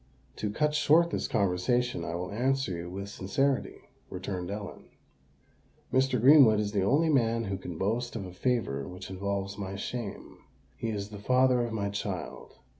"To cut short this conversation, I will answer you with sincerity," returned Ellen. "Mr. Greenwood is the only man who can boast of a favour which involves my shame: he is the father of my child.